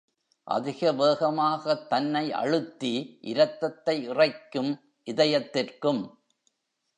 அதிக வேகமாகத் தன்னை அழுத்தி, இரத்தத்தை இறைக்கும் இதயத்திற்கும்.